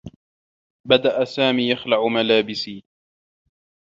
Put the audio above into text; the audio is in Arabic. بدأ سامي يخلع ملابسي.